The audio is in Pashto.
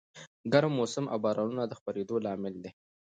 ګرم موسم او بارانونه د خپرېدو لامل دي.